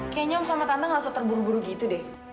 kayaknya om sama tante gak usah terburu buru gitu deh